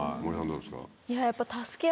どうですか？